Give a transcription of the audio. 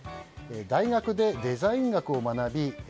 大学でデザイン学を学び